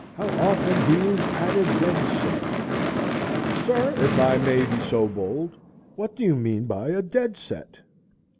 How often he is at a dead set! "Sir, if I may be so bold, what do you mean by a dead set?"